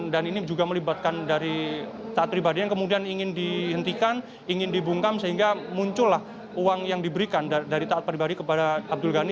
dan ini juga melibatkan dari taat pribadi yang kemudian ingin dihentikan ingin dibungkam sehingga muncullah uang yang diberikan dari taat pribadi kepada abdul ghani